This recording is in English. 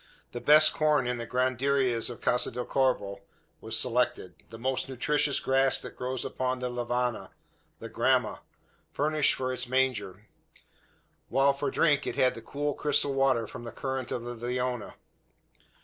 The best corn in the granaderias of Casa del Corvo was selected, the most nutritions grass that grows upon the lavanna the gramma furnished for its manger; while for drink it had the cool crystal water from the current of the Leona.